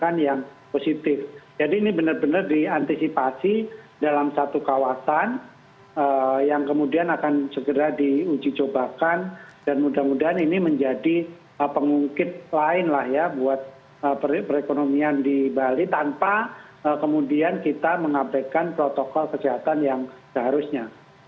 nah dan sekarang ini semua ini sudah merah gitu ya